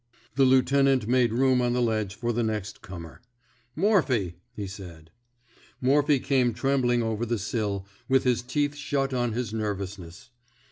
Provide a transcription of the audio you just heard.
The lieutenant made room on the ledge for the next comer. Morphy," he said. Morphy came trembling over the sill, with his teeth shut on his nervousness.